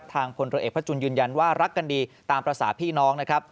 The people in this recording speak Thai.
พลเรือเอกพระจุลยืนยันว่ารักกันดีตามภาษาพี่น้องนะครับ